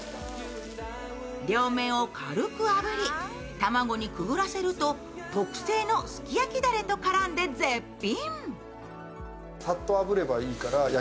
両面を軽くあぶり、卵にくぐらせると特製のすき焼きだれと絡んで絶品。